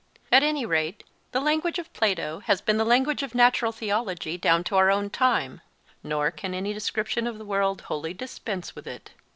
At any rate, the language of Plato has been the language of natural theology down to our own time, nor can any description of the world wholly dispense with it.